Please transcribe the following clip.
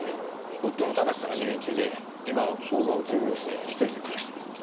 夫の貴志さんが入院中で今は工場を休業して一人で暮らしてる。